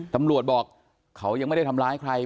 ตำรวจบอกเขายังไม่ได้ทำร้ายใคร